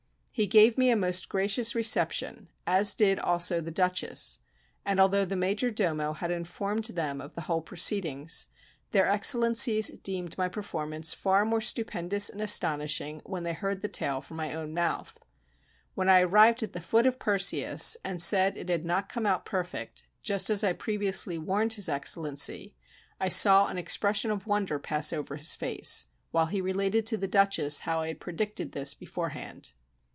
He gave me a most gracious reception, as did also the Duchess; and although the major domo had informed them of the whole proceedings, their Excellencies deemed my performance far more stupendous and astonishing when they heard the tale from my own mouth. When I arrived at the foot of Perseus, and said it had not come out perfect, just as I previously warned his Excellency, I saw an expression of wonder pass over his face, while he related to the Duchess how I had predicted this beforehand.